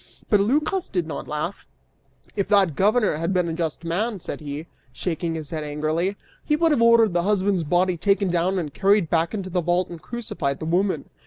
But Lycas did not laugh; "If that governor had been a just man," said he, shaking his head angrily, "he would have ordered the husband's body taken down and carried back into the vault, and crucified the woman."